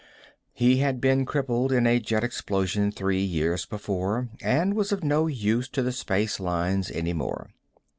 He had been crippled in a jet explosion three years before, and was of no use to the Spacelines any more.